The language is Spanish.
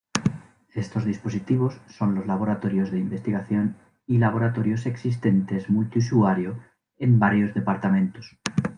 Estos dispositivos son los laboratorios de investigación y laboratorios existentes multiusuario en varios departamentos.